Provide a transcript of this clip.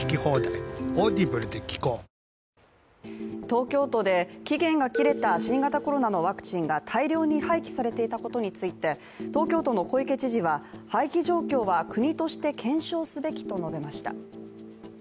東京都で期限が切れた新型コロナのワクチンが大量に廃棄されていたことについて東京都の小池知事は廃棄状況は国として検証すべきと述べました。